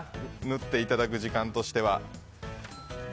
縫っていただく時間としては。